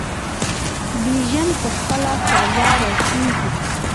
بیژن په خپله سزا رسیږي.